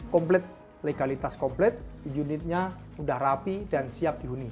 komplet legalitas komplet unitnya sudah rapi dan siap dihuni